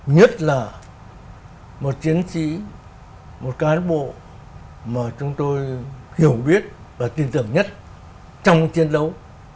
nhất là một chiến sĩ một cán bộ mà chúng tôi hiểu biết và tin tưởng nhất trong chiến đấu